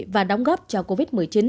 và đóng góp cho covid một mươi chín